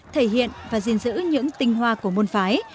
thể hiện và gìn giữ những tinh hoa của môn phái